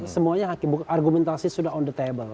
semuanya argumentasi sudah on the table